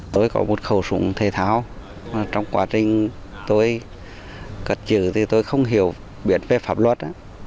tôi có một khẩu súng thể tháo trong quá trình tôi cất chữ thì tôi không hiểu biện phép pháp luật